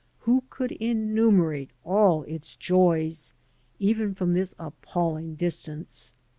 Who could enumerate all its joys, even from this appalling distance?